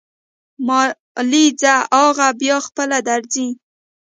مالې ځه اغه بيا خپله درځي.